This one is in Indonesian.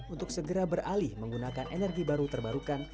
untuk segera beralih menggunakan energi baru terbarukan